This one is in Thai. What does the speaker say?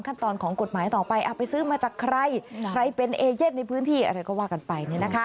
ก็ล่อนจ้อนเลยเนาะ